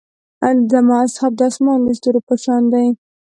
زما اصحاب د اسمان د ستورو پۀ شان دي.